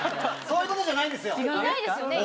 そういうことじゃないんですよ。